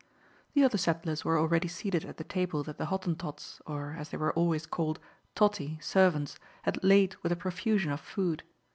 The other settlers were already seated at the table that the Hottentots or, as they were always called, "tottie" servants, had laid with a profusion of food.